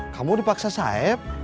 kamu dipaksa saeb